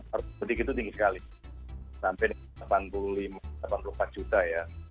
arus mudik itu tinggi sekali sampai delapan puluh lima delapan puluh empat juta ya